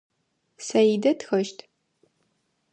Саидэ тхэщт.